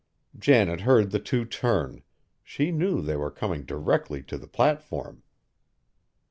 Janet heard the two turn; she knew they were coming directly to the platform.